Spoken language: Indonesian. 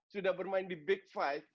sudah bermain di big five